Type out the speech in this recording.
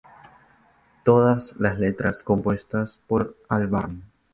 Todas las letras compuestas por Albarn.